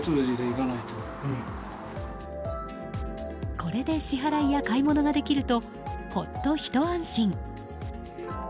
これで支払いや買い物ができるとほっとひと安心。